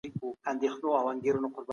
کلي څېړني سیده او مستقیمي ستونزي نه حلوي.